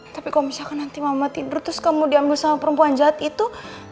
tapi kalau misalkan nanti mama tidur terus kemudian diambil sama perempuan jahat itu